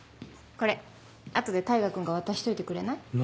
これ後で大牙君が渡しといてくれない？